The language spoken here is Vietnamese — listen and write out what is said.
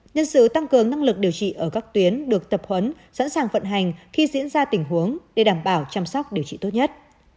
nhân sự tăng cường năng lực điều trị ở các tuyến được tập huấn sẵn sàng vận hành khi diễn ra tình huống để đảm bảo chăm sóc điều trị tốt nhất